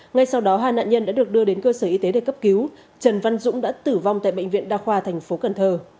ngay sau đó hai nạn nhân đã được đưa đến cơ sở y tế để cấp cứu trần văn dũng đã tử vong tại bệnh viện đa khoa tp cn